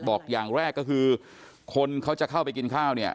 บอกอย่างแรกก็คือคนเขาจะเข้าไปกินข้าวเนี่ย